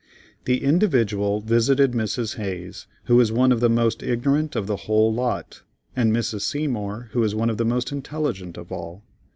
The "Individual" visited Mrs. Hayes, who is one of the most ignorant of the whole lot, and Mrs. Seymour, who is one of the most intelligent of all.